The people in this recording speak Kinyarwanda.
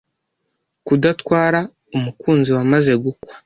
kudatwara umukunzi wamaze gukwa